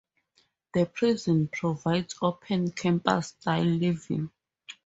The prison provides open campus-style living.